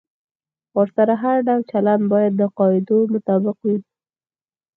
ورسره هر ډول چلند باید د قاعدو مطابق وي.